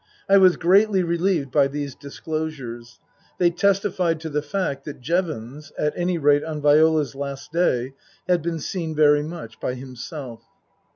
I was greatly relieved by these disclosures; they testified to the fact that Jevons, at any rate on Viola's last day, had been seen very much by himself.